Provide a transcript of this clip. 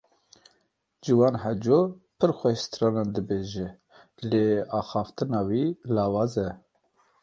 Ciwan Haco pir xweş stranan dibêje lê axaftina wî lawaz e.